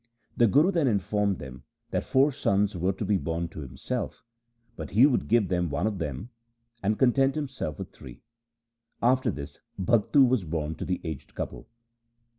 The Guru then informed them that four sons were to be born to himself, but he would give them one of them and content him self with three. After this Bhagtu 1 was born to the aged couple.